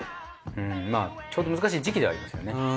まあちょうど難しい時期ではありますよね。